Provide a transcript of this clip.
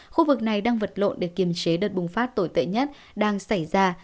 khu vực này đang vật lộn để kiềm chế đợt bùng phát tồi tệ nhất đang xảy ra